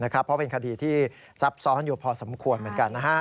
เพราะเป็นคดีที่ซับซ้อนอยู่พอสมควรเหมือนกัน